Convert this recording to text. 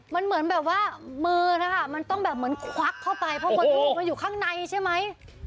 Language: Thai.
มันเหมือนแบบว่ามือนะคะมันต้องแบบเหมือนควักเข้าไปเพราะคนลงมาอยู่ข้างในใช่ไหม